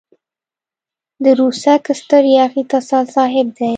د ورسک ستر ياغي تسل صاحب دی.